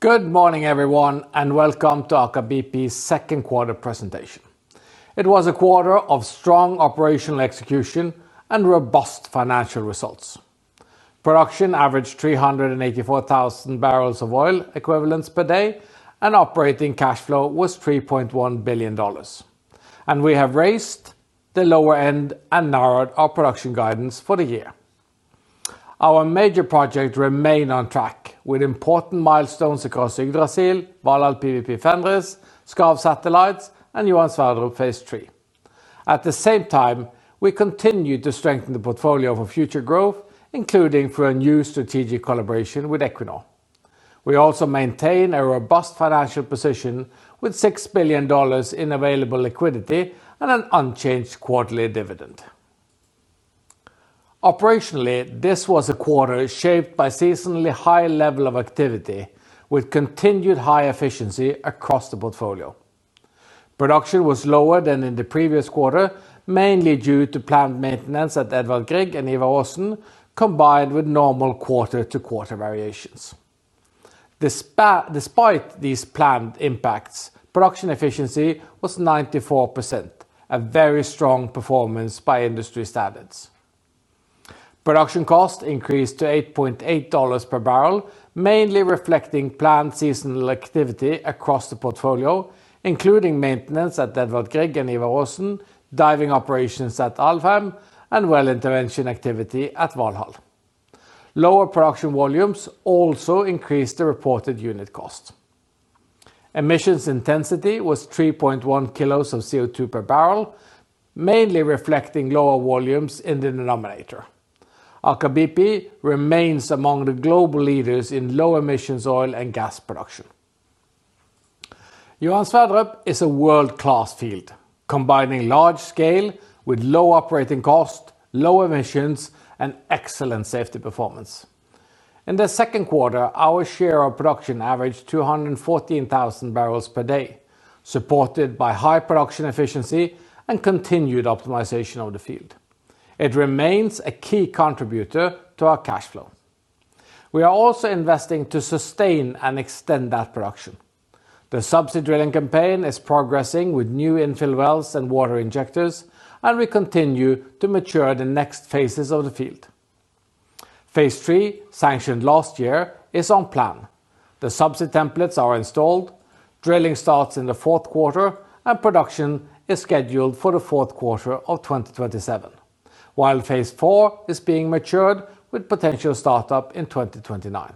Good morning everyone, and welcome to Aker BP's second quarter presentation. It was a quarter of strong operational execution and robust financial results. Production averaged 384,000 bbl of oil equivalents per day, operating cash flow was $3.1 billion. We have raised the lower end and narrowed our production guidance for the year. Our major projects remain on track with important milestones across Yggdrasil, Valhall PWP-Fenris, Skarv Satellites, and Johan Sverdrup Phase 3. At the same time, we continued to strengthen the portfolio for future growth, including through a new strategic collaboration with Equinor. We also maintain a robust financial position with $6 billion in available liquidity and an unchanged quarterly dividend. Operationally, this was a quarter shaped by seasonally high level of activity with continued high efficiency across the portfolio. Production was lower than in the previous quarter, mainly due to planned maintenance at Edvard Grieg and Ivar Aasen, combined with normal quarter-to-quarter variations. Despite these planned impacts, production efficiency was 94%, a very strong performance by industry standards. Production cost increased to $8.8 per barrel, mainly reflecting planned seasonal activity across the portfolio, including maintenance at Edvard Grieg and Ivar Aasen, diving operations at Alvheim, and well intervention activity at Valhall. Lower production volumes also increased the reported unit cost. Emissions intensity was 3.1 kilos of CO2 per barrel, mainly reflecting lower volumes in the denominator. Aker BP remains among the global leaders in low emissions oil and gas production. Johan Sverdrup is a world-class field, combining large scale with low operating cost, low emissions, and excellent safety performance. In the second quarter, our share of production averaged 214,000 bpd, supported by high production efficiency and continued optimization of the field. It remains a key contributor to our cash flow. We are also investing to sustain and extend that production. The subsea drilling campaign is progressing with new infill wells and water injectors, we continue to mature the next phases of the field. Phase 3, sanctioned last year, is on plan. The subsea templates are installed. Drilling starts in the fourth quarter, production is scheduled for the fourth quarter of 2027, while Phase 4 is being matured with potential startup in 2029.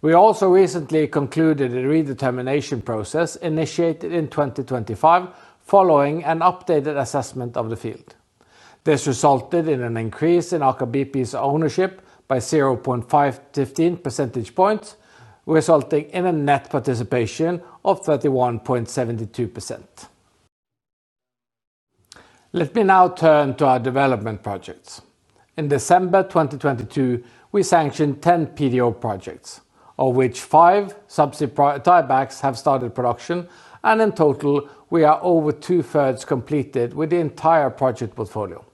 We also recently concluded a redetermination process initiated in 2025 following an updated assessment of the field. This resulted in an increase in Aker BP's ownership by 0.15 percentage points, resulting in a net participation of 31.72%. Let me now turn to our development projects. In December 2022, we sanctioned 10 PDO projects, of which five subsea tiebacks have started production, in total, we are over 2/3 completed with the entire project portfolio.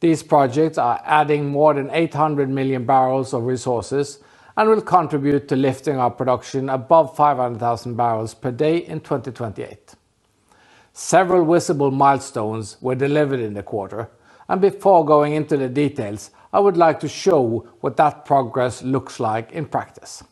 These projects are adding more than 800 million barrels of resources and will contribute to lifting our production above 500,000 bpd in 2028. Several visible milestones were delivered in the quarter, before going into the details, I would like to show what that progress looks like in practice.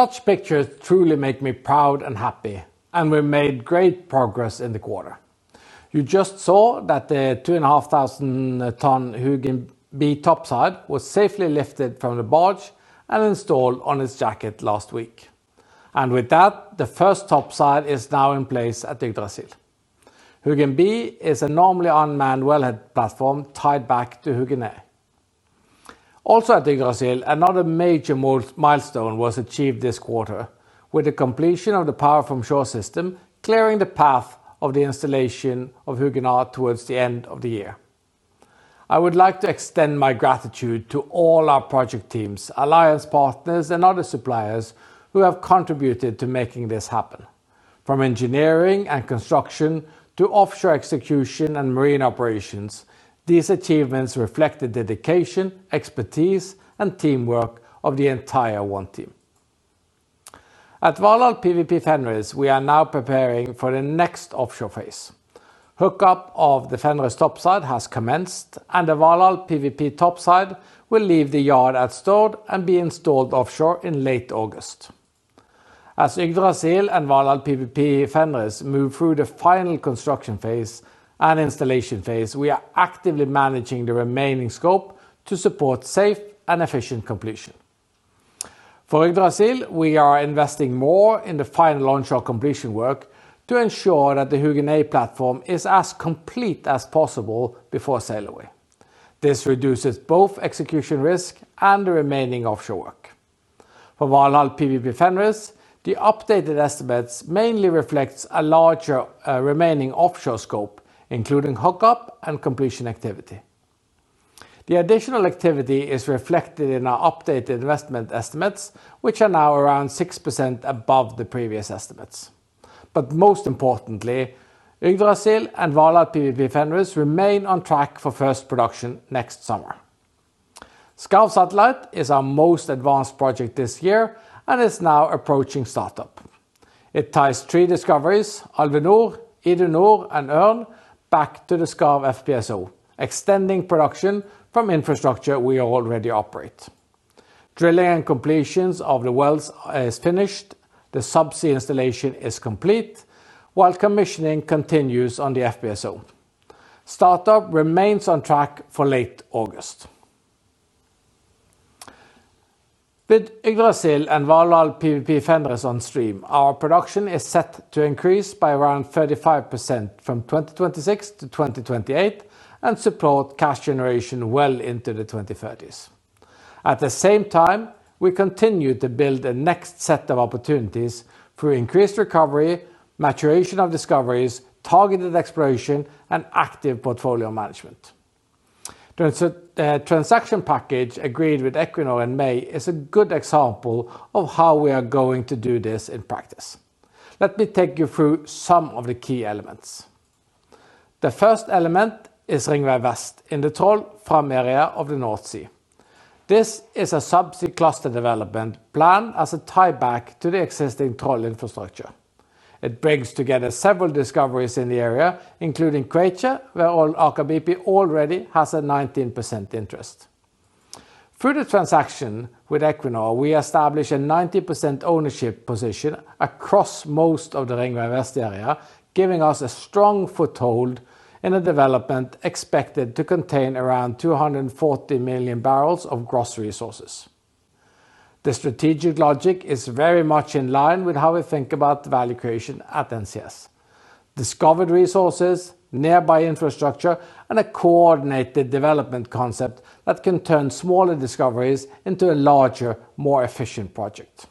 Such pictures truly make me proud and happy, we made great progress in the quarter. You just saw that the 2,500-tonne Hugin B topside was safely lifted from the barge and installed on its jacket last week. With that, the first topside is now in place at Yggdrasil. Hugin B is a normally unmanned wellhead platform tied back to Hugin A. Also at Yggdrasil, another major milestone was achieved this quarter, with the completion of the power-from-shore system clearing the path of the installation of Hugin A towards the end of the year. I would like to extend my gratitude to all our project teams, alliance partners, and other suppliers who have contributed to making this happen. From engineering and construction to offshore execution and marine operations, these achievements reflect the dedication, expertise, and teamwork of the entire OneTeam. At Valhall PWP-Fenris, we are now preparing for the next offshore phase. Hookup of the Fenris topside has commenced, and the Valhall PWP topside will leave the yard at Stord and be installed offshore in late August. As Yggdrasil and Valhall PWP-Fenris move through the final construction phase and installation phase, we are actively managing the remaining scope to support safe and efficient completion. For Yggdrasil, we are investing more in the final onshore completion work to ensure that the Hugin A platform is as complete as possible before sail away. This reduces both execution risk and the remaining offshore work. For Valhall PWP-Fenris, the updated estimates mainly reflects a larger remaining offshore scope, including hookup and completion activity. The additional activity is reflected in our updated investment estimates, which are now around 6% above the previous estimates. Most importantly, Yggdrasil and Valhall PWP-Fenris remain on track for first production next summer. Skarv Satellite is our most advanced project this year and is now approaching startup. It ties three discoveries, Alvheim Nord, Idun Nord, and Ørn, back to the Skarv FPSO, extending production from infrastructure we already operate. Drilling and completions of the wells is finished. The subsea installation is complete, while commissioning continues on the FPSO. Startup remains on track for late August. With Yggdrasil and Valhall PWP-Fenris on stream, our production is set to increase by around 35% from 2026 to 2028 and support cash generation well into the 2030s. At the same time, we continue to build the next set of opportunities through increased recovery, maturation of discoveries, targeted exploration, and active portfolio management. The transaction package agreed with Equinor in May is a good example of how we are going to do this in practice. Let me take you through some of the key elements. The first element is Ringvei Vest in the Troll-Fram area of the North Sea. This is a subsea cluster development planned as a tie-back to the existing Troll infrastructure. It brings together several discoveries in the area, including Kvite, where Aker BP already has a 19% interest. Through the transaction with Equinor, we establish a 90% ownership position across most of the Ringvei Vest area, giving us a strong foothold in a development expected to contain around 240 million barrels of gross resources. The strategic logic is very much in line with how we think about value creation at NCS. Discovered resources, nearby infrastructure, and a coordinated development concept that can turn smaller discoveries into a larger, more efficient project.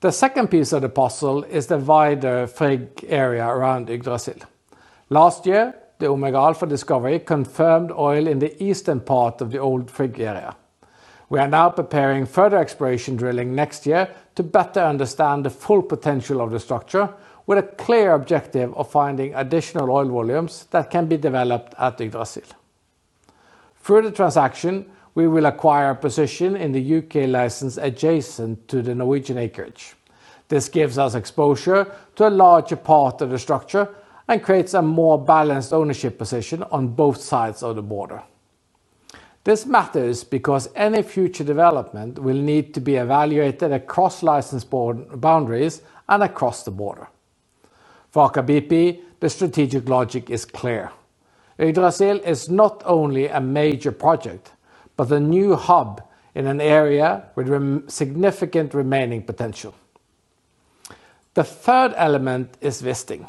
The second piece of the puzzle is the wider Frigg area around Yggdrasil. Last year, the Omega Alpha discovery confirmed oil in the eastern part of the old Frigg area. We are now preparing further exploration drilling next year to better understand the full potential of the structure with a clear objective of finding additional oil volumes that can be developed at Yggdrasil. Through the transaction, we will acquire a position in the U.K. license adjacent to the Norwegian acreage. This gives us exposure to a larger part of the structure and creates a more balanced ownership position on both sides of the border. This matters because any future development will need to be evaluated across license boundaries and across the border. For Aker BP, the strategic logic is clear. Yggdrasil is not only a major project but a new hub in an area with significant remaining potential. The third element is Wisting.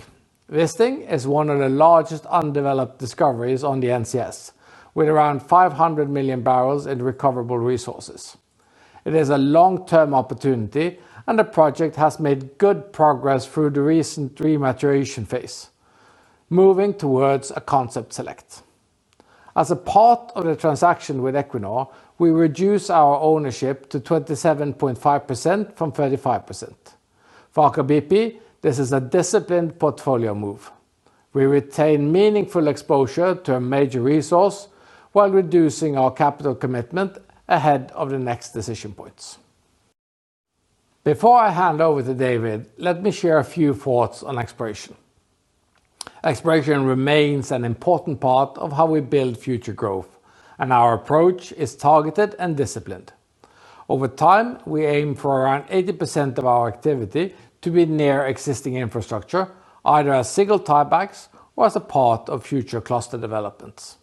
Wisting is one of the largest undeveloped discoveries on the NCS, with around 500 million barrels in recoverable resources. It is a long-term opportunity. The project has made good progress through the recent rematuration phase, moving towards a concept select. As a part of the transaction with Equinor, we reduce our ownership to 27.5% from 35%. For Aker BP, this is a disciplined portfolio move. We retain meaningful exposure to a major resource while reducing our capital commitment ahead of the next decision points. Before I hand over to David, let me share a few thoughts on exploration. Exploration remains an important part of how we build future growth. Our approach is targeted and disciplined. Over time, we aim for around 80% of our activity to be near existing infrastructure, either as single tie-backs or as a part of future cluster developments.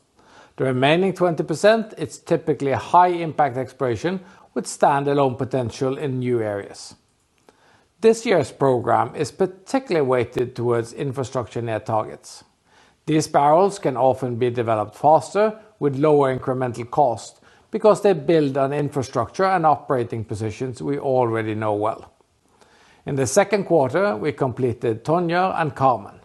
The remaining 20% is typically high-impact exploration with standalone potential in new areas. This year's program is particularly weighted towards infrastructure-near targets. These barrels can often be developed faster with lower incremental cost because they build on infrastructure and operating positions we already know well. In the second quarter, we completed Tonjer and Carmen.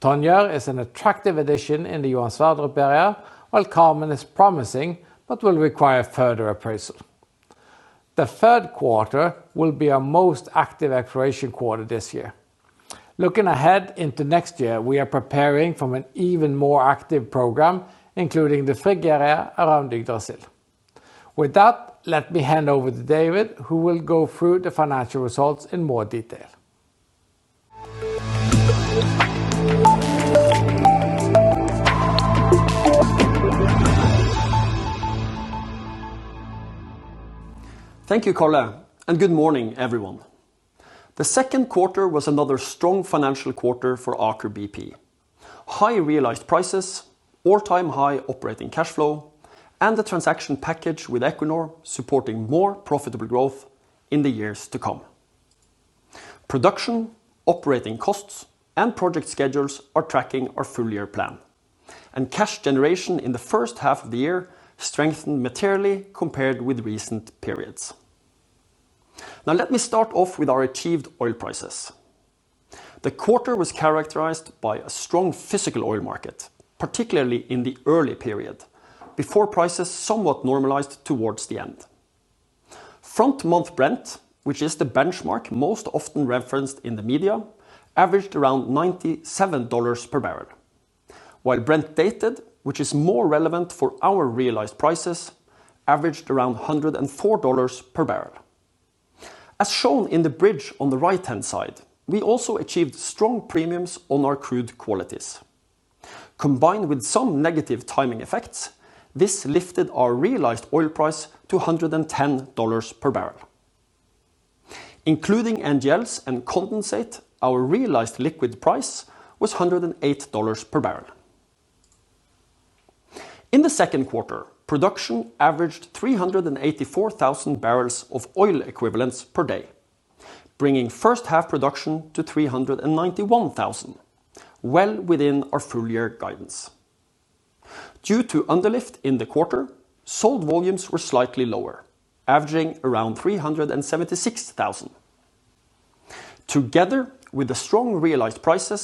Tonjer is an attractive addition in the Johan Sverdrup area, while Carmen is promising but will require further appraisal. The third quarter will be our most active exploration quarter this year. Looking ahead into next year, we are preparing for an even more active program, including the Frigg area around Yggdrasil. With that, let me hand over to David, who will go through the financial results in more detail. Thank you, Karl. Good morning, everyone. The second quarter was another strong financial quarter for Aker BP. High realized prices, all-time high operating cash flow. The transaction package with Equinor supporting more profitable growth in the years to come. Production, operating costs, and project schedules are tracking our full-year plan. Cash generation in the first half of the year strengthened materially compared with recent periods. Now, let me start off with our achieved oil prices. The quarter was characterized by a strong physical oil market, particularly in the early period before prices somewhat normalized towards the end. Front-month Brent, which is the benchmark most often referenced in the media, averaged around $97 per barrel, while Brent Dated, which is more relevant for our realized prices, averaged around $104 per barrel. As shown in the bridge on the right-hand side, we also achieved strong premiums on our crude qualities. Combined with some negative timing effects, this lifted our realized oil price to $110 per barrel. Including NGLs and condensate, our realized liquid price was $108 per barrel. In the second quarter, production averaged 384,000 bbl of oil equivalents per day, bringing first half production to 391,000 bbl, well within our full-year guidance. Due to underlift in the quarter, sold volumes were slightly lower, averaging around 376,000 bbl. Together with the strong realized prices,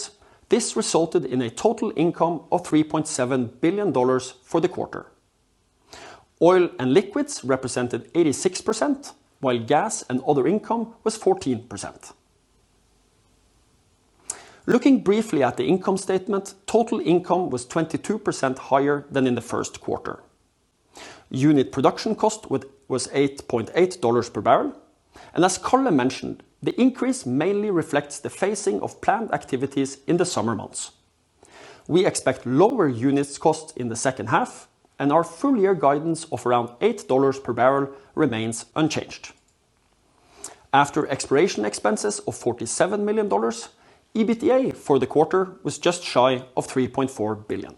this resulted in a total income of $3.7 billion for the quarter. Oil and liquids represented 86%, while gas and other income was 14%. Looking briefly at the income statement, total income was 22% higher than in the first quarter. Unit production cost was $8.80 per barrel, as Karl mentioned, the increase mainly reflects the phasing of planned activities in the summer months. We expect lower unit costs in the second half, and our full-year guidance of around $8 per barrel remains unchanged. After exploration expenses of $47 million, EBITDA for the quarter was just shy of $3.4 billion.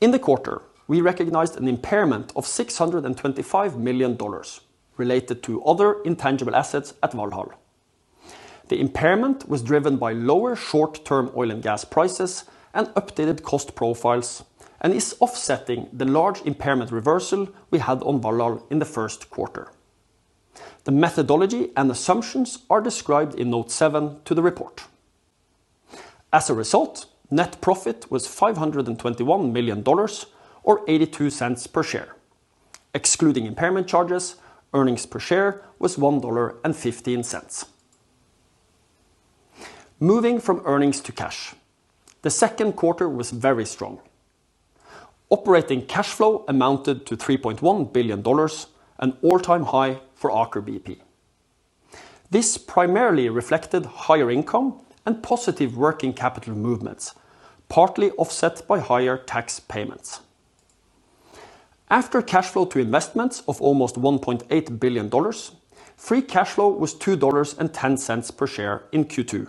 In the quarter, we recognized an impairment of $625 million related to other intangible assets at Valhall. The impairment was driven by lower short-term oil and gas prices and updated cost profiles and is offsetting the large impairment reversal we had on Valhall in the first quarter. The methodology and assumptions are described in Note 7 to the report. As a result, net profit was $521 million, or $0.82 per share. Excluding impairment charges, earnings per share was $1.15. Moving from earnings to cash, the second quarter was very strong. Operating cash flow amounted to $3.1 billion, an all-time high for Aker BP. This primarily reflected higher income and positive working capital movements, partly offset by higher tax payments. After cash flow to investments of almost $1.8 billion, free cash flow was $2.10 per share in Q2,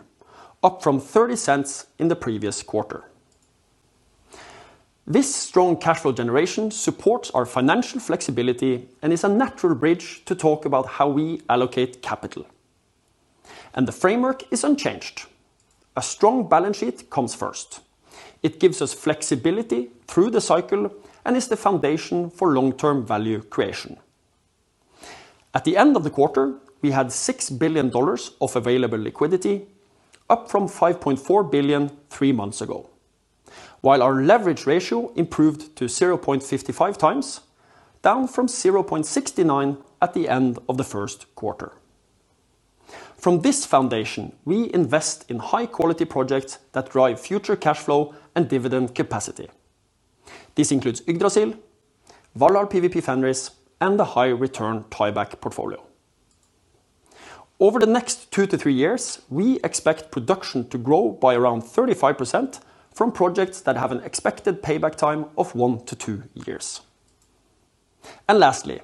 up from $0.30 in the previous quarter. This strong cash flow generation supports our financial flexibility and is a natural bridge to talk about how we allocate capital. The framework is unchanged. A strong balance sheet comes first. It gives us flexibility through the cycle and is the foundation for long-term value creation. At the end of the quarter, we had $6 billion of available liquidity, up from $5.4 billion three months ago, while our leverage ratio improved to 0.55x, down from 0.69x at the end of the first quarter. From this foundation, we invest in high-quality projects that drive future cash flow and dividend capacity. This includes Yggdrasil, Valhall PWP-Fenris, and the high-return tieback portfolio. Over the next two to three years, we expect production to grow by around 35% from projects that have an expected payback time of one to two years. Lastly,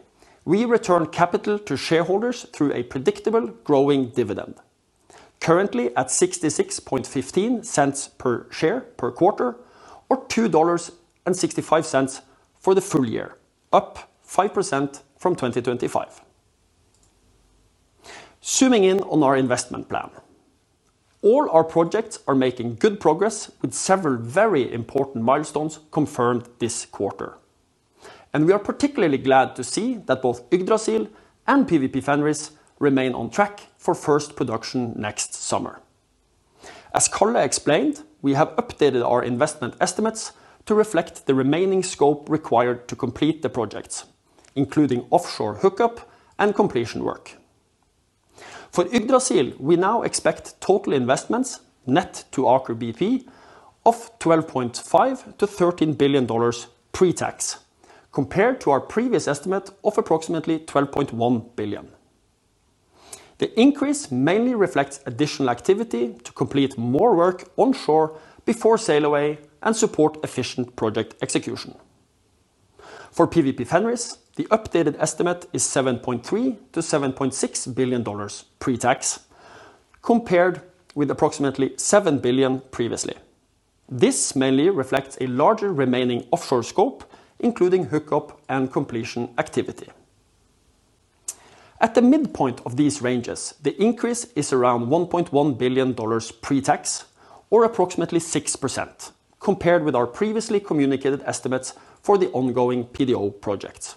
we return capital to shareholders through a predictable growing dividend, currently at $0.6615 per share per quarter, or $2.65 for the full year, up 5% from 2025. Zooming in on our investment plan, all our projects are making good progress with several very important milestones confirmed this quarter, and we are particularly glad to see that both Yggdrasil and PWP-Fenris remain on track for first production next summer. As Karl explained, we have updated our investment estimates to reflect the remaining scope required to complete the projects, including offshore hookup and completion work. For Yggdrasil, we now expect total investments net to Aker BP of $12.5 billion-$13 billion pre-tax, compared to our previous estimate of approximately $12.1 billion. The increase mainly reflects additional activity to complete more work onshore before sail away and support efficient project execution. For PWP-Fenris, the updated estimate is $7.3 billion-$7.6 billion pre-tax, compared with approximately $7 billion previously. This mainly reflects a larger remaining offshore scope, including hookup and completion activity. At the midpoint of these ranges, the increase is around $1.1 billion pre-tax or approximately 6%, compared with our previously communicated estimates for the ongoing PDO projects.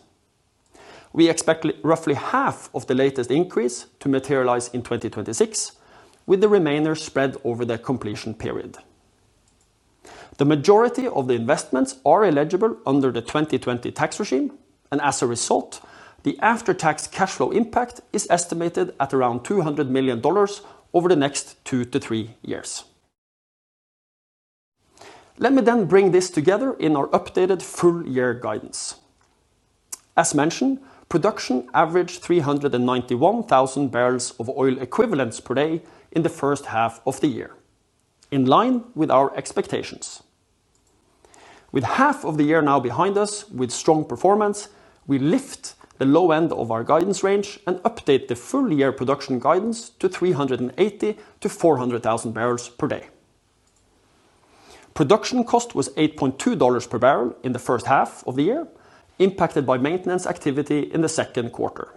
We expect roughly half of the latest increase to materialize in 2026, with the remainder spread over the completion period. The majority of the investments are eligible under the 2020 tax regime. As a result, the after-tax cash flow impact is estimated at around $200 million over the next two to three years. Let me bring this together in our updated full year guidance. As mentioned, production averaged 391,000 bbl of oil equivalents per day in the first half of the year, in line with our expectations. With half of the year now behind us with strong performance, we lift the low end of our guidance range and update the full year production guidance to 380,000 bpd-400,000 bpd. Production cost was $8.20 per barrel in the first half of the year, impacted by maintenance activity in the second quarter.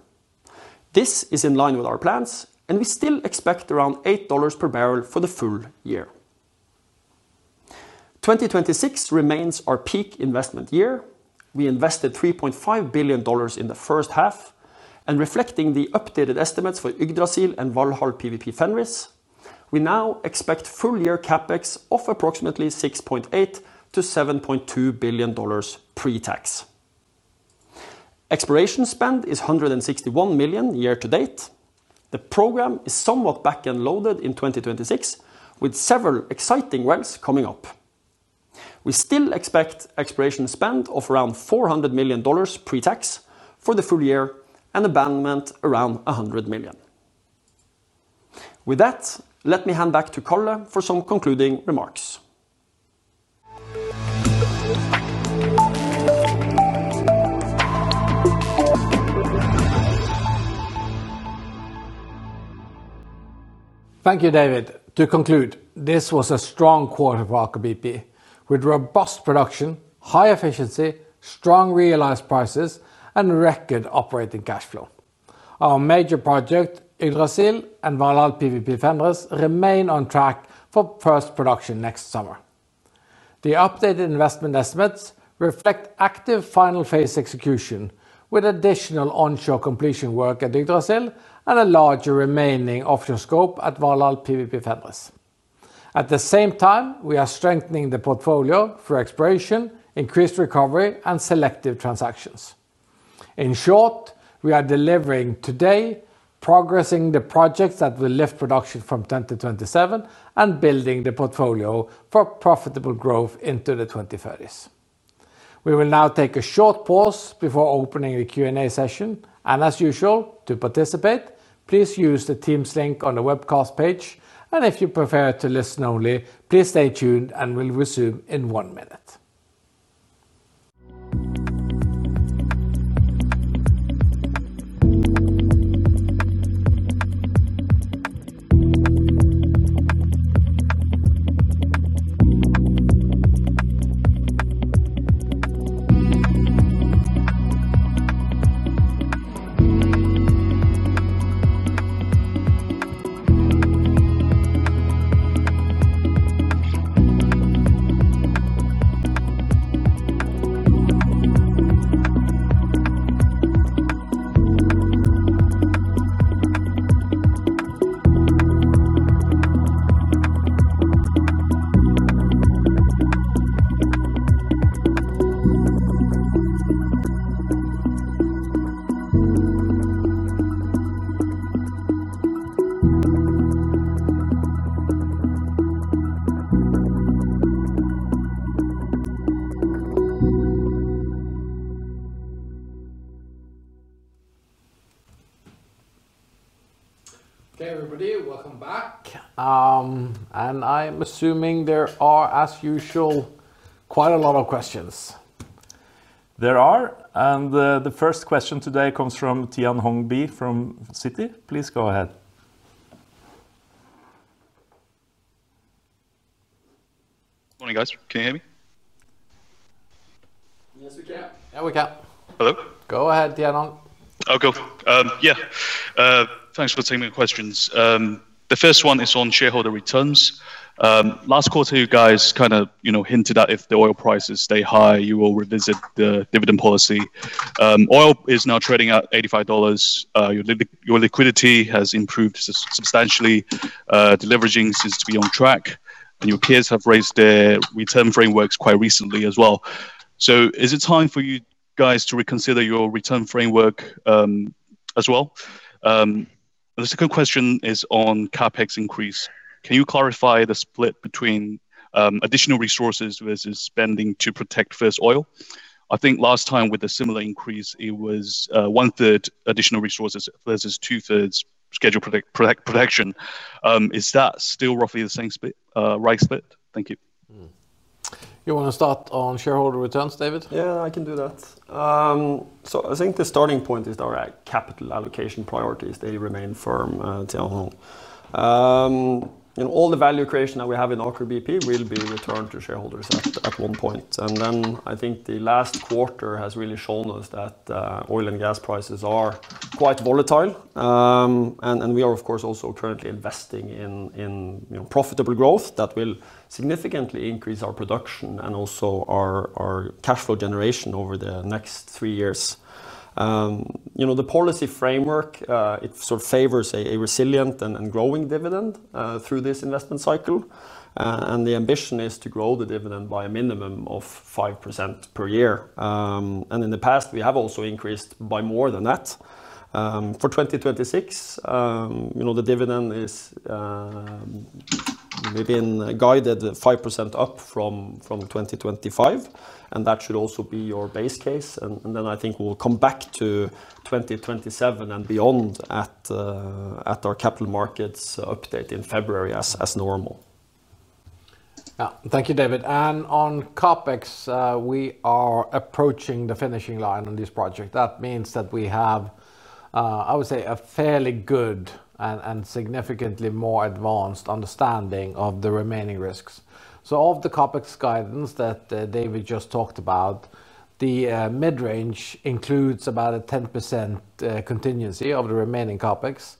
This is in line with our plans, and we still expect around $8 per barrel for the full year. 2026 remains our peak investment year. We invested $3.5 billion in the first half. Reflecting the updated estimates for Yggdrasil and Valhall PWP-Fenris, we now expect full year CapEx of approximately $6.8 billion-$7.2 billion pre-tax. Exploration spend is $161 million year to date. The program is somewhat back-end loaded in 2026, with several exciting wells coming up. We still expect exploration spend of around $400 million pre-tax for the full year and abandonment around $100 million. With that, let me hand back to Karl for some concluding remarks. Thank you, David. To conclude, this was a strong quarter for Aker BP, with robust production, high efficiency, strong realized prices, and record operating cash flow. Our major project, Yggdrasil and Valhall PWP-Fenris, remain on track for first production next summer. The updated investment estimates reflect active final phase execution, with additional onshore completion work at Yggdrasil and a larger remaining offshore scope at Valhall PWP-Fenris. At the same time, we are strengthening the portfolio through exploration, increased recovery, and selective transactions. In short, we are delivering today, progressing the projects that will lift production from 2027, and building the portfolio for profitable growth into the 2030s. We will now take a short pause before opening the Q&A session. As usual, to participate, please use the Teams link on the webcast page. If you prefer to listen only, please stay tuned, and we'll resume in one minute. Okay, everybody, welcome back. I'm assuming there are, as usual, quite a lot of questions. There are, and the first question today comes from Tianhong Bi from Citi. Please go ahead. Morning, guys. Can you hear me? Yes, we can. Yeah, we can. Hello. Go ahead, Tianhong. Cool. Yeah. Thanks for taking the questions. The first one is on shareholder returns. Last quarter, you guys kind of hinted that if the oil prices stay high, you will revisit the dividend policy. Oil is now trading at $85. Your liquidity has improved substantially. Deleveraging seems to be on track, and your peers have raised their return frameworks quite recently as well. Is it time for you guys to reconsider your return framework as well? The second question is on CapEx increase. Can you clarify the split between additional resources versus spending to protect first oil? I think last time with a similar increase, it was 1/3 additional resources versus 2/3 scheduled production. Is that still roughly the same right split? Thank you. You want to start on shareholder returns, David? Yeah, I can do that. I think the starting point is our capital allocation priorities. They remain firm, Tianhong. All the value creation that we have in Aker BP will be returned to shareholders at one point. I think the last quarter has really shown us that oil and gas prices are quite volatile. We are, of course, also currently investing in profitable growth that will significantly increase our production and also our cash flow generation over the next three years. The policy framework, it sort of favors a resilient and growing dividend through this investment cycle. The ambition is to grow the dividend by a minimum of 5% per year. In the past, we have also increased by more than that. For 2026, the dividend has been guided 5% up from 2025, that should also be your base case. I think we'll come back to 2027 and beyond at our capital markets update in February as normal. Yeah. Thank you, David. On CapEx, we are approaching the finishing line on this project. That means that we have, I would say, a fairly good and significantly more advanced understanding of the remaining risks. Of the CapEx guidance that David just talked about, the mid-range includes about a 10% contingency of the remaining CapEx.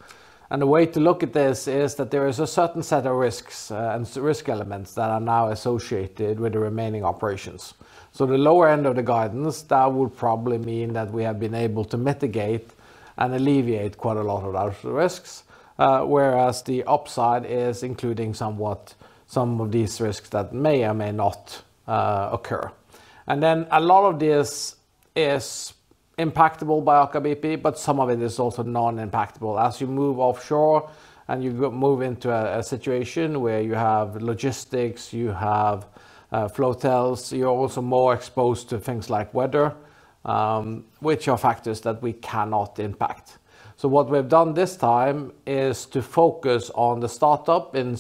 The way to look at this is that there is a certain set of risks and risk elements that are now associated with the remaining operations. The lower end of the guidance, that would probably mean that we have been able to mitigate and alleviate quite a lot of our risks, whereas the upside is including somewhat some of these risks that may or may not occur. A lot of this is impactable by Aker BP, but some of it is also non-impactable. As you move offshore, you move into a situation where you have logistics, you have flotels, you are also more exposed to things like weather, which are factors that we cannot impact. What we have done this time is to focus on the startup in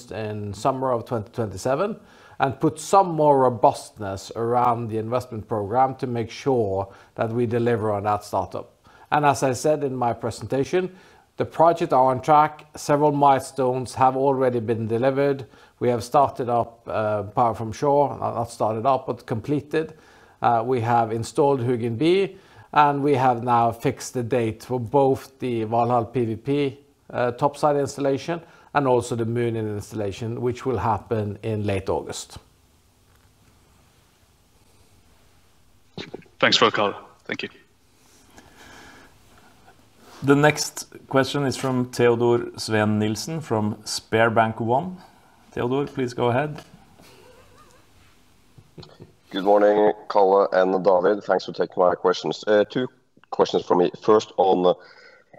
summer of 2027 and put some more robustness around the investment program to make sure that we deliver on that startup. As I said in my presentation, the projects are on track. Several milestones have already been delivered. We have started up power from shore. Not started up, but completed. We have installed Hugin B, we have now fixed the date for both the Valhall PWP topside installation and also the Munin installation, which will happen in late August. Thanks, Karl. Thank you. The next question is from Teodor Sveen-Nilsen from SpareBank 1. Teodor, please go ahead. Good morning, Karl and David. Thanks for taking my questions. Two questions from me. First on,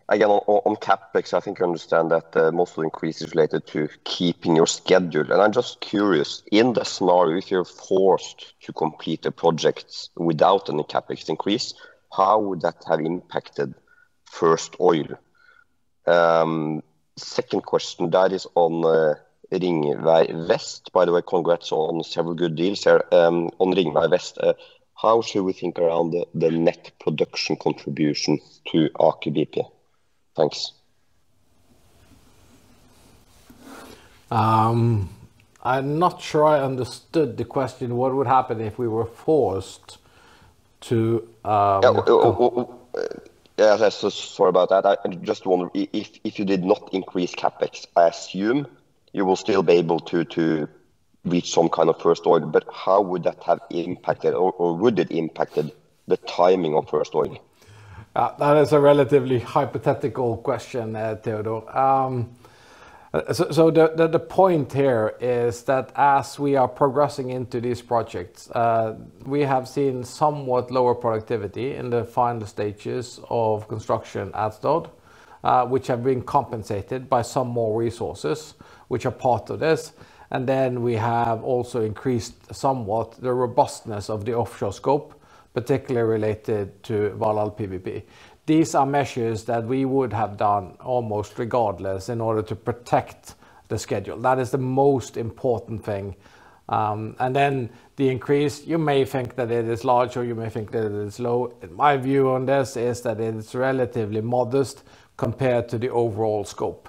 again, on CapEx, I think you understand that most of the increase is related to keeping your schedule. I am just curious, in the scenario, if you are forced to complete a project without any CapEx increase, how would that have impacted first oil? Second question, that is on Ringvei Vest. By the way, congrats on several good deals here. On Ringvei Vest, how should we think around the net production contribution to Aker BP? Thanks. I'm not sure I understood the question. What would happen if we were forced to- Yeah. Sorry about that. I just wonder, if you did not increase CapEx, I assume you will still be able to reach some kind of first oil, but how would that have impacted the timing of first oil? That is a relatively hypothetical question, Teodor. The point here is that as we are progressing into these projects, we have seen somewhat lower productivity in the final stages of construction as built which have been compensated by some more resources which are part of this. We have also increased somewhat the robustness of the offshore scope, particularly related to Valhall PWP. These are measures that we would have done almost regardless in order to protect the schedule. That is the most important thing. The increase, you may think that it is large, or you may think that it is low. My view on this is that it is relatively modest compared to the overall scope.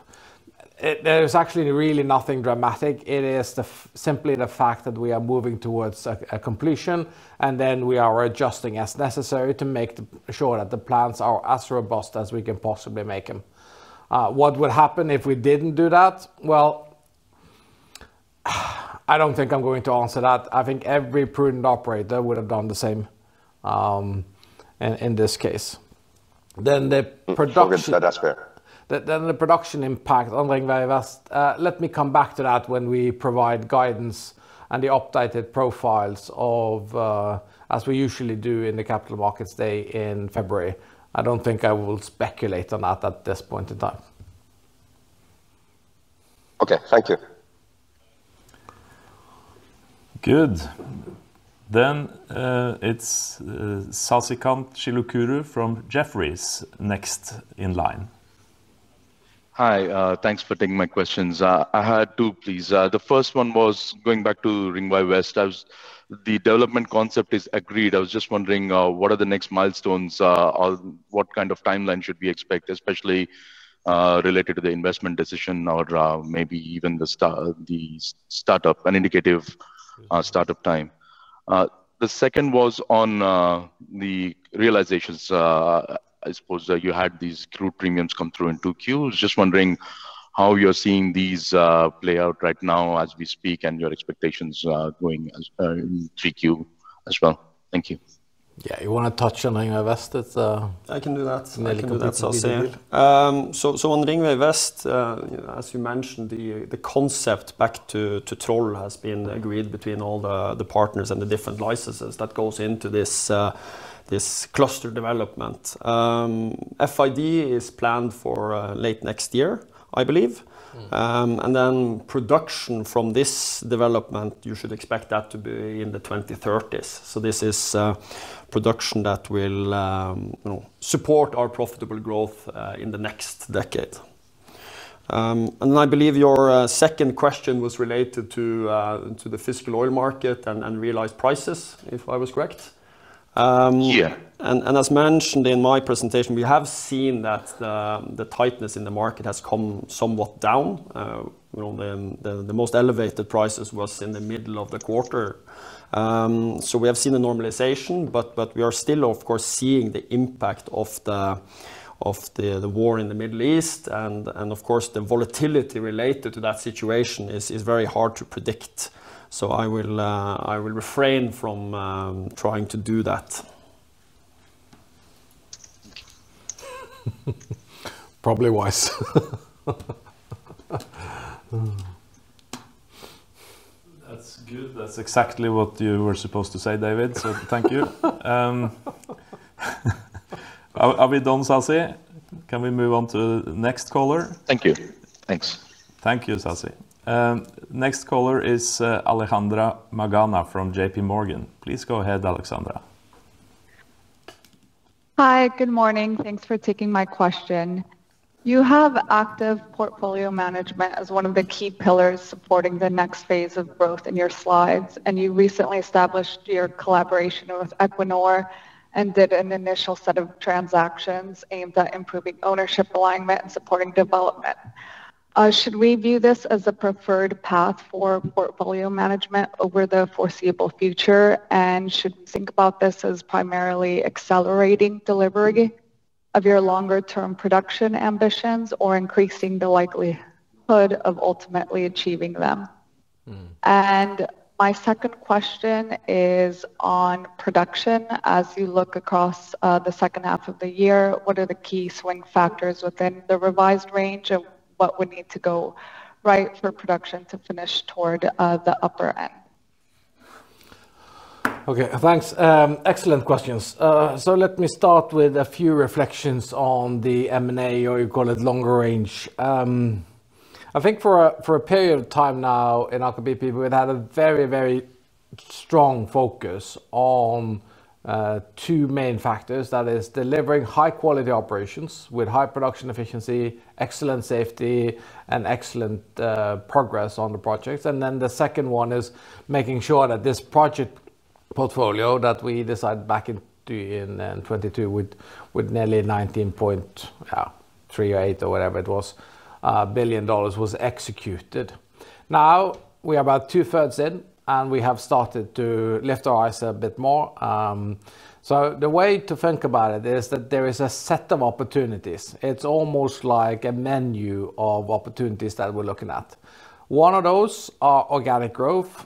There is actually really nothing dramatic. It is simply the fact that we are moving towards a completion, and then we are adjusting as necessary to make sure that the plans are as robust as we can possibly make them. What would happen if we didn't do that? Well, I don't think I'm going to answer that. I think every prudent operator would have done the same in this case. Okay. That's fair The production impact on Ringvei Vest, let me come back to that when we provide guidance and the updated profiles as we usually do in the Capital Markets Day in February. I don't think I will speculate on that at this point in time. Okay. Thank you. Good. It's Sasikanth Chilukuru from Jefferies next in line. Hi. Thanks for taking my questions. I had two, please. The first one was going back to Ringvei Vest. The development concept is agreed. I was just wondering, what are the next milestones? What kind of timeline should we expect, especially related to the investment decision now, or maybe even an indicative startup time? The second was on the realizations. I suppose you had these crude premiums come through in 2Q. I was just wondering how you're seeing these play out right now as we speak and your expectations going in 3Q as well. Thank you. You want to touch on Ringvei Vest? I can do that. You can do it, David. On Ringvei Vest, as you mentioned, the concept back to Troll has been agreed between all the partners and the different licenses that goes into this cluster development. FID is planned for late next year, I believe. Production from this development, you should expect that to be in the 2030s. This is production that will support our profitable growth in the next decade. I believe your second question was related to the physical oil market and realized prices, if I was correct. Yeah. As mentioned in my presentation, we have seen that the tightness in the market has come somewhat down. The most elevated prices was in the middle of the quarter. We have seen a normalization, but we are still, of course, seeing the impact of the war in the Middle East, and, of course, the volatility related to that situation is very hard to predict. I will refrain from trying to do that. Probably wise. That's good. That's exactly what you were supposed to say, David. Thank you. Are we done, Sasi? Can we move on to the next caller? Thank you. Thanks. Thank you, Sasi. Next caller is Alejandra Magana from JPMorgan. Please go ahead, Alejandra. Hi. Good morning. Thanks for taking my question. You have active portfolio management as one of the key pillars supporting the next phase of growth in your slides, and you recently established your collaboration with Equinor and did an initial set of transactions aimed at improving ownership alignment and supporting development. Should we view this as a preferred path for portfolio management over the foreseeable future, and should we think about this as primarily accelerating delivery of your longer-term production ambitions or increasing the likelihood of ultimately achieving them? My second question is on production. As you look across the second half of the year, what are the key swing factors within the revised range, and what would need to go right for production to finish toward the upper end? Okay. Thanks. Excellent questions. Let me start with a few reflections on the M&A, or you call it longer range. I think for a period of time now in Aker BP, we've had a very strong focus on two main factors. That is delivering high-quality operations with high production efficiency, excellent safety, and excellent progress on the projects. The second one is making sure that this project portfolio that we decided back in 2022 with nearly $19.3 or eight, or whatever it was, billion dollars was executed. Now we are about two-thirds in, we have started to lift our eyes a bit more. The way to think about it is that there is a set of opportunities. It's almost like a menu of opportunities that we're looking at. One of those are organic growth.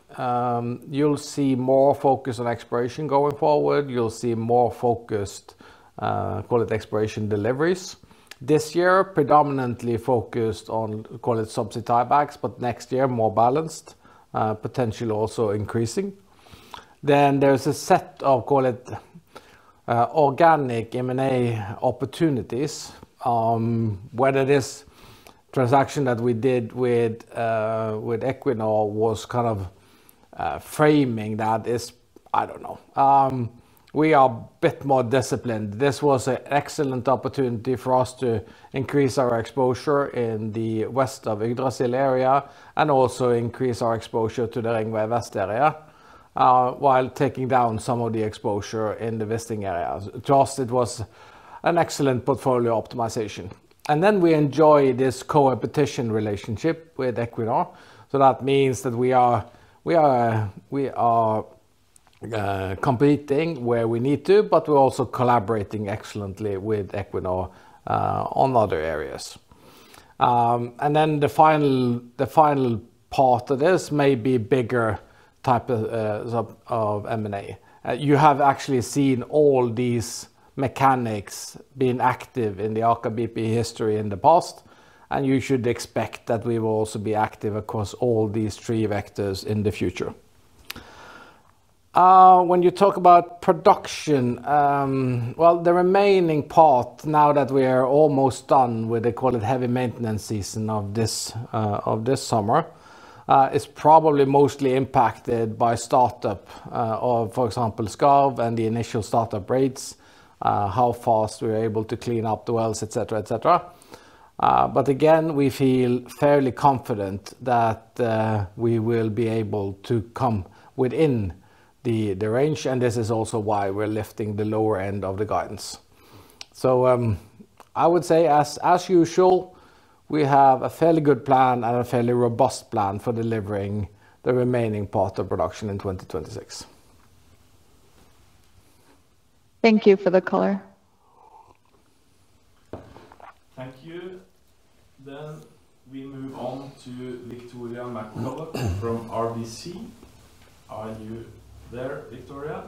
You'll see more focus on exploration going forward. You'll see more focused, call it exploration deliveries this year, predominantly focused on, call it sub-tie backs, but next year more balanced, potentially also increasing. There's a set of, call it organic M&A opportunities. Whether this transaction that we did with Equinor was kind of framing that is, I don't know. We are a bit more disciplined. This was an excellent opportunity for us to increase our exposure in the west of Yggdrasil area and also increase our exposure to the Ringvei Vest area, while taking down some of the exposure in the Wisting area. It was an excellent portfolio optimization. We enjoy this co-opetition relationship with Equinor. That means that we are competing where we need to, but we're also collaborating excellently with Equinor on other areas. The final part of this may be bigger type of M&A. You have actually seen all these mechanics being active in the Aker BP history in the past, you should expect that we will also be active across all these three vectors in the future. When you talk about production, well, the remaining part, now that we are almost done with the, call it heavy maintenance season of this summer, is probably mostly impacted by startup of, for example, Skarv and the initial startup rates, how fast we're able to clean up the wells, et cetera. Again, we feel fairly confident that we will be able to come within the range, this is also why we're lifting the lower end of the guidance. I would say as usual, we have a fairly good plan and a fairly robust plan for delivering the remaining part of production in 2026. Thank you for the color. Thank you. We move on to Victoria McCulloch from RBC. Are you there, Victoria?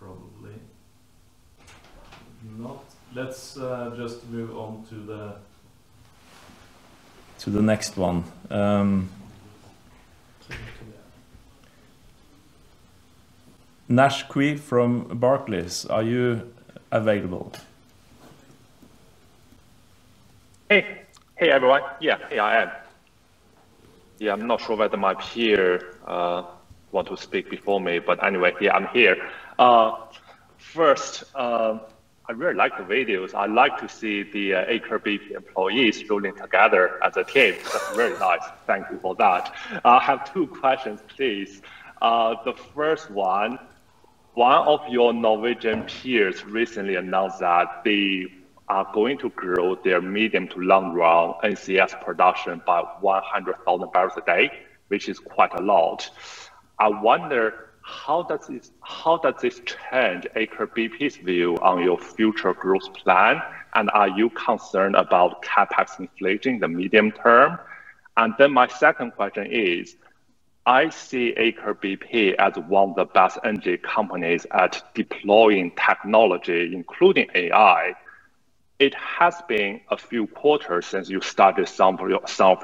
Probably not. Let's just move on to the next one. Naish Cui from Barclays, are you available? Hey, everyone. Hey, I am. I'm not sure whether my peer want to speak before me, anyway, I'm here. First, I really like the videos. I like to see the Aker BP employees rowing together as a team. That's very nice. Thank you for that. I have two questions, please. The first one of your Norwegian peers recently announced that they are going to grow their medium to long run NCS production by 100,000 bpd, which is quite a lot. I wonder, how does this change Aker BP's view on your future growth plan, and are you concerned about CapEx inflating the medium term? My second question is, I see Aker BP as one of the best energy companies at deploying technology, including AI. It has been a few quarters since you started some of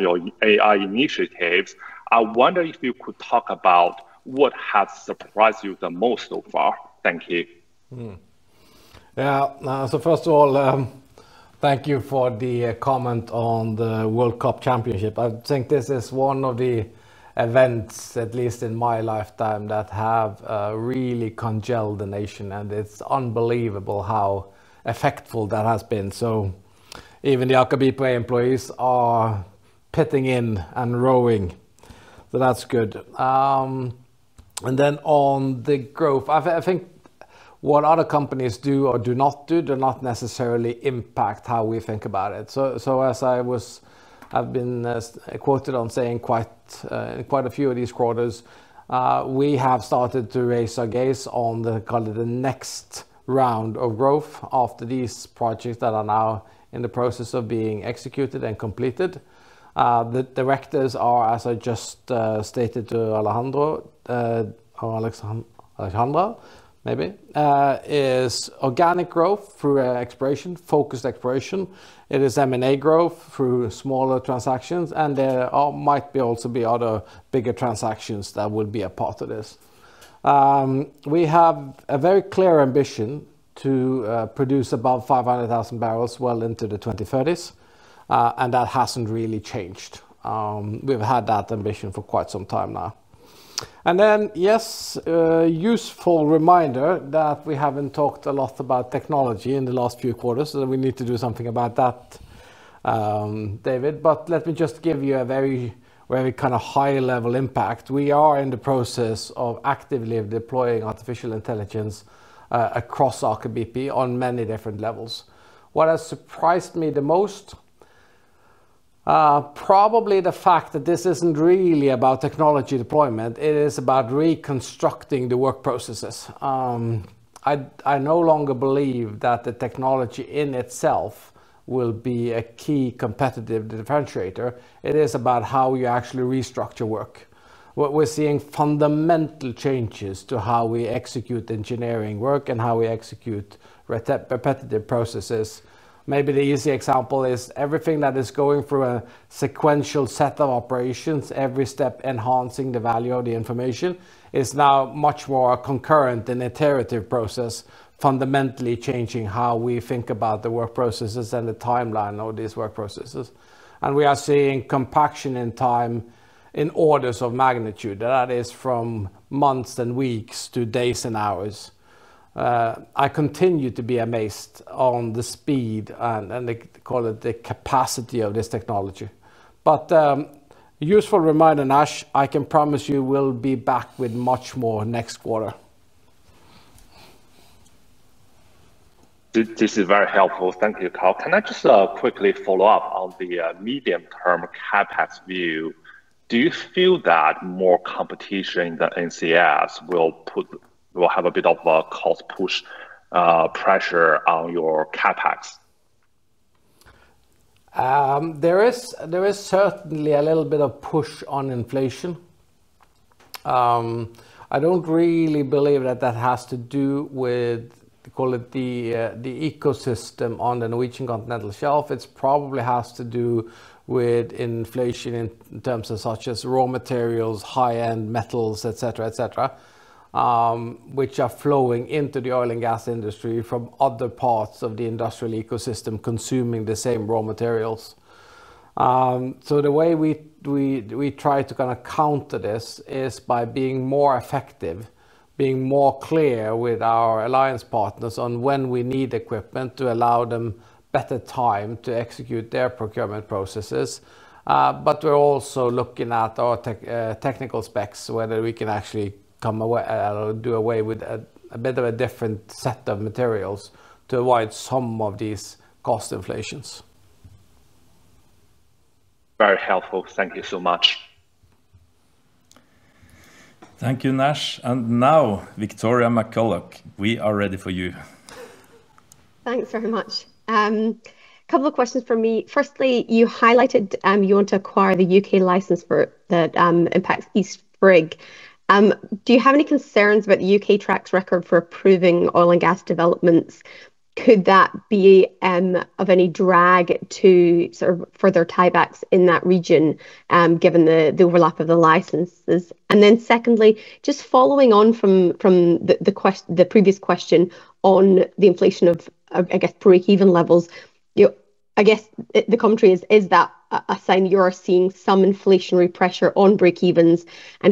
your AI initiatives. I wonder if you could talk about what has surprised you the most so far. Thank you. Yeah. First of all, thank you for the comment on the World Cup Championship. I think this is one of the events, at least in my lifetime, that have really congealed the nation, and it's unbelievable how effective that has been. Even the Aker BP employees are pitching in and rowing. That's good. On the growth, I think what other companies do or do not do not necessarily impact how we think about it. As I've been quoted on saying in quite a few of these quarters, we have started to raise our gaze on the, call it the next round of growth after these projects that are now in the process of being executed and completed. The directors are, as I just stated to Alejandra, is organic growth through exploration, focused exploration. It is M&A growth through smaller transactions, and there might also be other bigger transactions that will be a part of this. We have a very clear ambition to produce above 500,000 bbl well into the 2030s, and that hasn't really changed. We've had that ambition for quite some time now. Yes, useful reminder that we haven't talked a lot about technology in the last few quarters, we need to do something about that, David. Let me just give you a very high-level impact. We are in the process of actively deploying artificial intelligence across Aker BP on many different levels. What has surprised me the most, probably the fact that this isn't really about technology deployment. It is about reconstructing the work processes. I no longer believe that the technology in itself will be a key competitive differentiator. It is about how you actually restructure work. What we're seeing fundamental changes to how we execute engineering work and how we execute repetitive processes. Maybe the easy example is everything that is going through a sequential set of operations, every step enhancing the value of the information, is now much more a concurrent and iterative process, fundamentally changing how we think about the work processes and the timeline of these work processes. We are seeing compaction in time in orders of magnitude. That is from months and weeks to days and hours. I continue to be amazed on the speed and, call it, the capacity of this technology. Useful reminder, Naish. I can promise you we'll be back with much more next quarter. This is very helpful. Thank you, Karl. Can I just quickly follow up on the medium-term CapEx view? Do you feel that more competition in the NCS will have a bit of a cost push pressure on your CapEx? There is certainly a little bit of push on inflation. I don't really believe that that has to do with, call it, the ecosystem on the Norwegian Continental Shelf. It probably has to do with inflation in terms of such as raw materials, high-end metals, et cetera, which are flowing into the oil and gas industry from other parts of the industrial ecosystem consuming the same raw materials. The way we try to counter this is by being more effective, being more clear with our alliance partners on when we need equipment to allow them better time to execute their procurement processes. We're also looking at our technical specs, whether we can actually do away with a bit of a different set of materials to avoid some of these cost inflations. Very helpful. Thank you so much. Thank you, Naish. Now, Victoria McCulloch, we are ready for you. Thanks very much. Couple of questions from me. Firstly, you highlighted you want to acquire the U.K. license that impacts East Frigg. Do you have any concerns about the U.K. track record for approving oil and gas developments? Could that be of any drag to further tie-backs in that region, given the overlap of the licenses? Then secondly, just following on from the previous question on the inflation of, I guess, breakeven levels. I guess, the commentary is that a sign you are seeing some inflationary pressure on breakevens?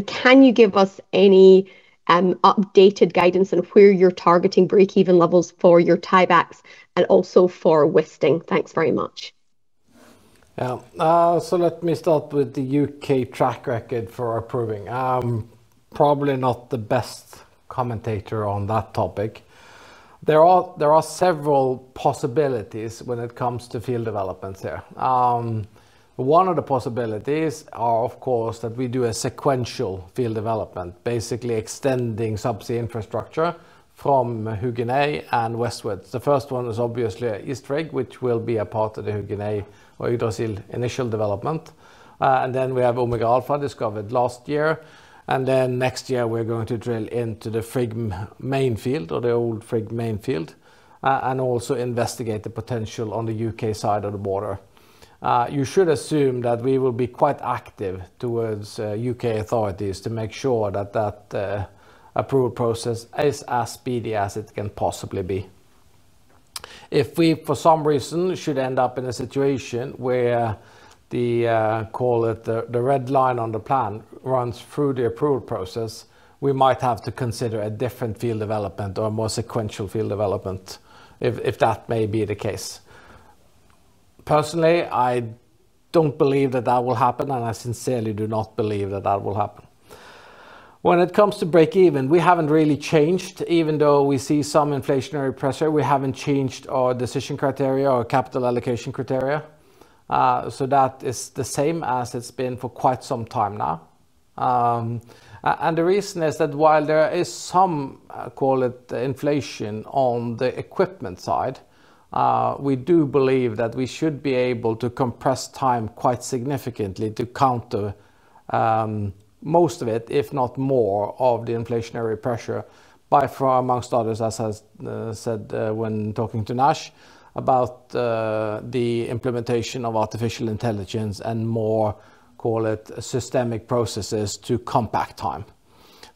Can you give us any updated guidance on where you're targeting breakeven levels for your tiebacks and also for Wisting? Thanks very much. Yeah. Let me start with the U.K. track record for approving. Probably not the best commentator on that topic. There are several possibilities when it comes to field developments there. One of the possibilities are, of course, that we do a sequential field development, basically extending subsea infrastructure from Hugin A and westward. First one is obviously East Frigg, which will be a part of the Hugin A or Yggdrasil initial development. We have Omega Alpha discovered last year. Next year, we're going to drill into the Frigg main field, or the old Frigg main field, and also investigate the potential on the U.K. side of the border. You should assume that we will be quite active towards U.K. authorities to make sure that that approval process is as speedy as it can possibly be. If we, for some reason, should end up in a situation where the, call it, the red line on the plan runs through the approval process, we might have to consider a different field development or a more sequential field development, if that may be the case. Personally, I don't believe that that will happen, and I sincerely do not believe that that will happen. When it comes to breakeven, we haven't really changed, even though we see some inflationary pressure. We haven't changed our decision criteria or capital allocation criteria. That is the same as it's been for quite some time now. The reason is that while there is some, call it, inflation on the equipment side, we do believe that we should be able to compress time quite significantly to counter most of it, if not more, of the inflationary pressure by far, amongst others, as I said when talking to Naish, about the implementation of Artificial Intelligence and more, call it, systemic processes to compact time.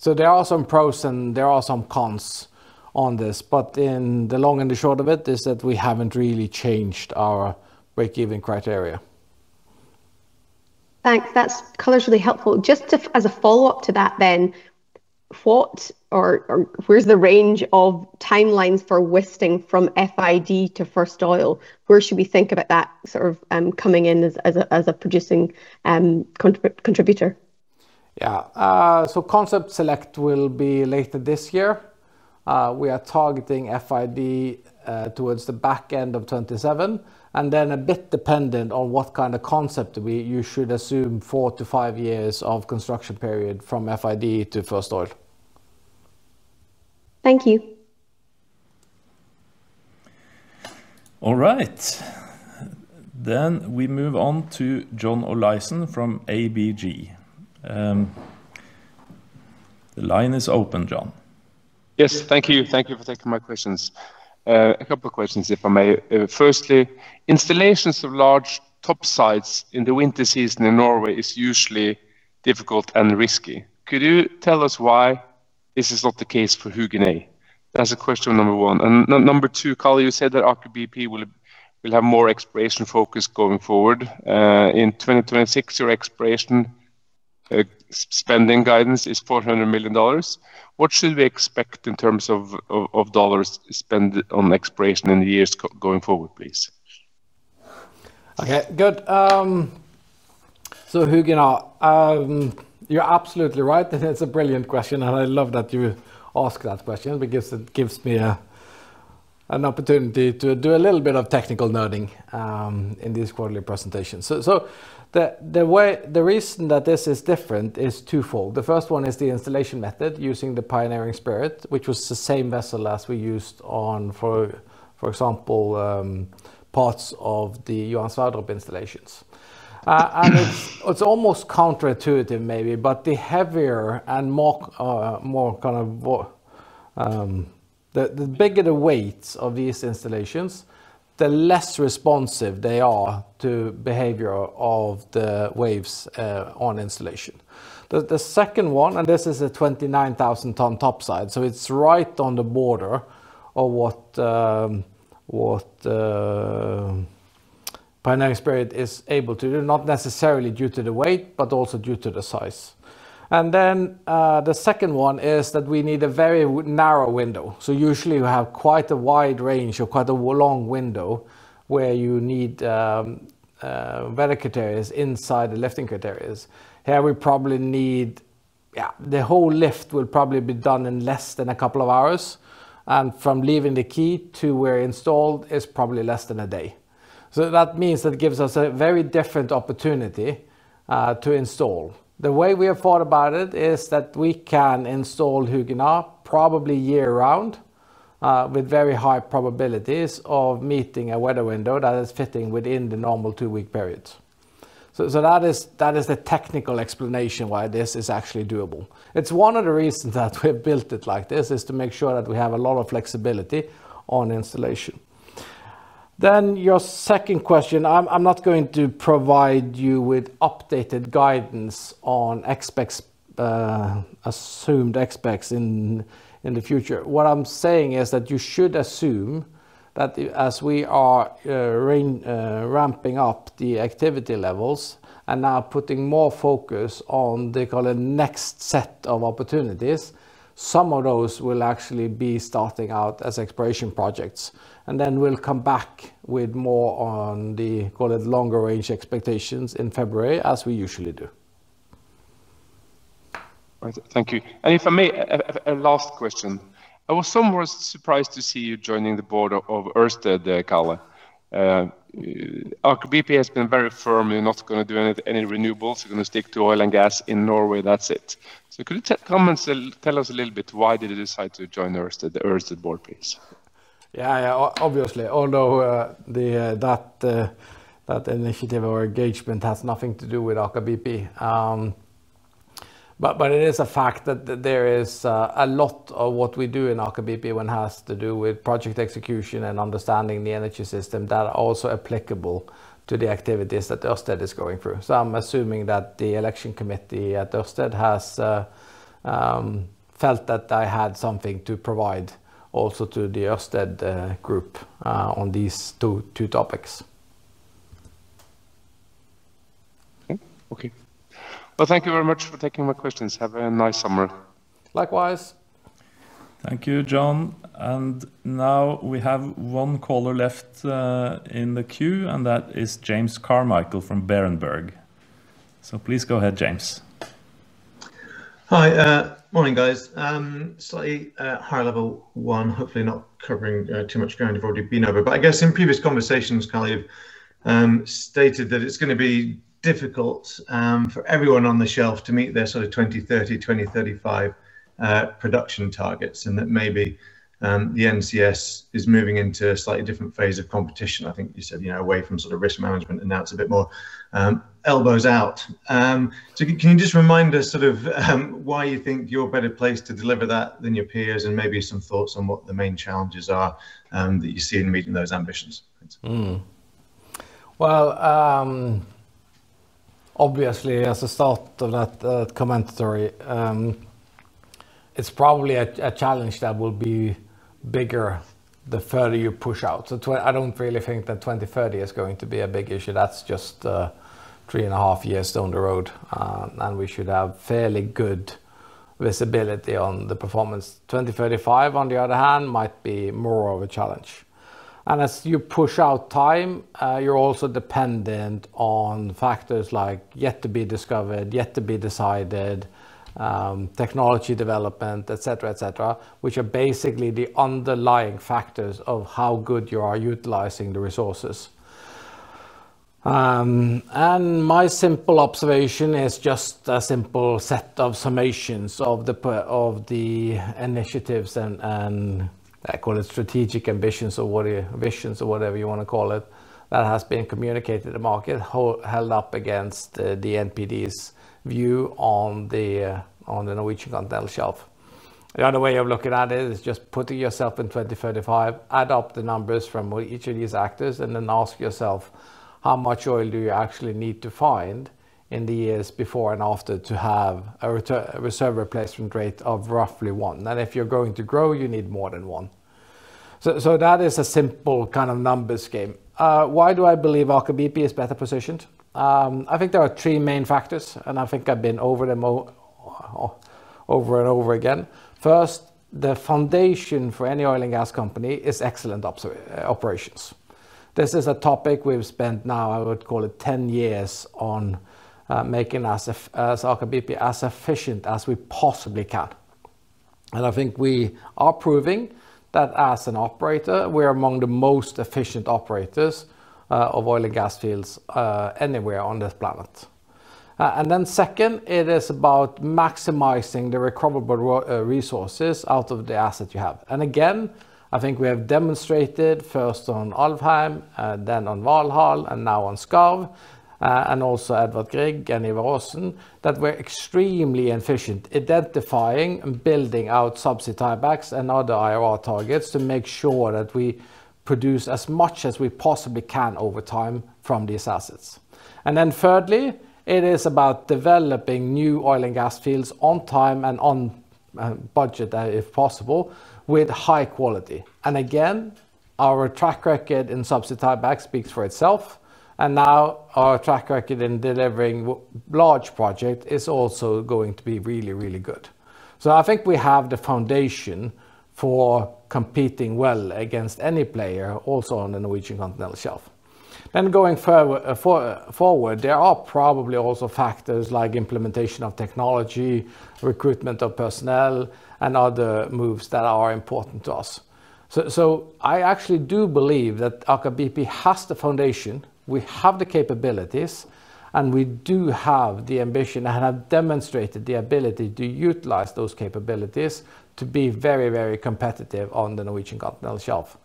There are some pros and there are some cons on this. In the long and the short of it is that we haven't really changed our breakeven criteria. Thanks. That's colorfully helpful. As a follow-up to that then, where's the range of timelines for Wisting from FID to first oil? Where should we think about that coming in as a producing contributor? Yeah. Concept select will be later this year. We are targeting FID towards the back end of 2027, and then a bit dependent on what kind of concept you should assume four to five years of construction period from FID to first oil. Thank you. All right. We move on to John Olaisen from ABG. The line is open, John. Yes. Thank you for taking my questions. A couple of questions, if I may. Firstly, installations of large topsides in the winter season in Norway is usually difficult and risky. Could you tell us why this is not the case for Hugin A? That's question number one. Number two, Karl, you said that Aker BP will have more exploration focus going forward. In 2026, your exploration spending guidance is $400 million. What should we expect in terms of dollars spent on exploration in the years going forward, please? Hugin A. You're absolutely right. That is a brilliant question, and I love that you ask that question because it gives me an opportunity to do a little bit of technical nerding in this quarterly presentation. The reason that this is different is twofold. The first one is the installation method using the Pioneering Spirit, which was the same vessel as we used on, for example, parts of the Johan Sverdrup installations. It's almost counterintuitive maybe, but the bigger the weights of these installations, the less responsive they are to behavior of the waves on installation. The second one, this is a 29,000 ton topside, so it's right on the border of what Pioneering Spirit is able to do, not necessarily due to the weight, but also due to the size. The second one is that we need a very narrow window. Usually you have quite a wide range or quite a long window where you need weather criterias inside the lifting criterias. Here the whole lift will probably be done in less than a couple of hours, and from leaving the quay to where installed is probably less than a day. That means that gives us a very different opportunity to install. The way we have thought about it is that we can install Hugin A probably year-round with very high probabilities of meeting a weather window that is fitting within the normal two-week period. That is the technical explanation why this is actually doable. It's one of the reasons that we've built it like this, is to make sure that we have a lot of flexibility on installation. Your second question, I'm not going to provide you with updated guidance on assumed expense in the future. What I'm saying is that you should assume that as we are ramping up the activity levels and now putting more focus on the next set of opportunities, some of those will actually be starting out as exploration projects. We'll come back with more on the longer-range expectations in February, as we usually do. Right. Thank you. If I may, a last question. I was somewhat surprised to see you joining the board of Ørsted, Karl. Aker BP has been very firm in not going to do any renewables. We're going to stick to oil and gas in Norway. That's it. Could you tell us a little bit, why did you decide to join the Ørsted board, please? Yeah. Although that initiative or engagement has nothing to do with Aker BP. It is a fact that there is a lot of what we do in Aker BP, one has to do with project execution and understanding the energy system that are also applicable to the activities that Ørsted is going through. I'm assuming that the election committee at Ørsted has felt that I had something to provide also to the Ørsted group on these two topics. Okay. Well, thank you very much for taking my questions. Have a nice summer. Likewise. Thank you, John. Now we have one caller left in the queue, and that is James Carmichael from Berenberg. Please go ahead, James. Hi. Morning, guys. Slightly higher level one, hopefully not covering too much ground you've already been over. I guess in previous conversations, Karl, you've stated that it's going to be difficult for everyone on the shelf to meet their sort of 2030, 2035 production targets, and that maybe the NCS is moving into a slightly different phase of competition. I think you said away from sort of risk management, and now it's a bit more elbows out. Can you just remind us sort of why you think you're better placed to deliver that than your peers and maybe some thoughts on what the main challenges are that you see in meeting those ambitions? Obviously, as a start of that commentary, it's probably a challenge that will be bigger the further you push out. I don't really think that 2030 is going to be a big issue. That's just three and a half years down the road, and we should have fairly good visibility on the performance. 2035, on the other hand, might be more of a challenge. As you push out time, you're also dependent on factors like yet to be discovered, yet to be decided, technology development, et cetera, which are basically the underlying factors of how good you are utilizing the resources. My simple observation is just a simple set of summations of the initiatives and I call it strategic ambitions or visions or whatever you want to call it, that has been communicated to the market, held up against the NPD's view on the Norwegian Continental Shelf. The other way of looking at it is just putting yourself in 2035, add up the numbers from each of these actors, ask yourself, how much oil do you actually need to find in the years before and after to have a reserve replacement rate of roughly one? If you're going to grow, you need more than one. That is a simple kind of numbers game. Why do I believe Aker BP is better positioned? I think there are three main factors, and I think I've been over them over and over again. First, the foundation for any oil and gas company is excellent operations. This is a topic we've spent now, I would call it 10 years on making Aker BP as efficient as we possibly can. I think we are proving that as an operator, we are among the most efficient operators of oil and gas fields anywhere on this planet. Second, it is about maximizing the recoverable resources out of the asset you have. Again, I think we have demonstrated first on Alvheim, then on Valhall, and now on Skarv, and also Edvard Grieg and Ivar Aasen, that we're extremely efficient identifying and building out sub-tiebacks and other IOR targets to make sure that we produce as much as we possibly can over time from these assets. Thirdly, it is about developing new oil and gas fields on time and on budget, if possible, with high quality. Again, our track record in sub-tieback speaks for itself, and now our track record in delivering large project is also going to be really, really good. I think we have the foundation for competing well against any player also on the Norwegian Continental Shelf. Going forward, there are probably also factors like implementation of technology, recruitment of personnel, and other moves that are important to us. I actually do believe that Aker BP has the foundation, we have the capabilities, and we do have the ambition and have demonstrated the ability to utilize those capabilities to be very, very competitive on the Norwegian Continental Shelf.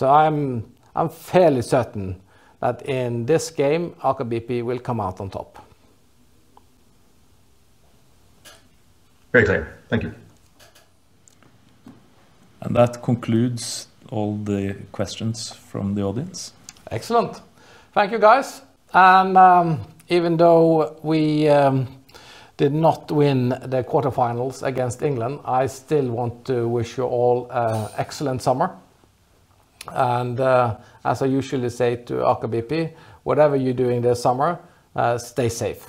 I'm fairly certain that in this game, Aker BP will come out on top. Great. Thank you. That concludes all the questions from the audience. Excellent. Thank you, guys. Even though we did not win the quarterfinals against England, I still want to wish you all an excellent summer. As I usually say to Aker BP, whatever you're doing this summer, stay safe